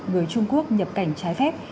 người trung quốc nhập cảnh trái phép